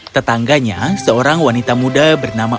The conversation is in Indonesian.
tetangganya seorang wanita muda bernama